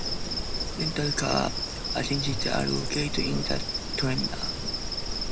Rental car agencies are located in the terminal.